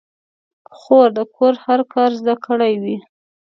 خور د کور هر کار زده کړی وي.